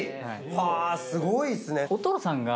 はぁすごいっすね。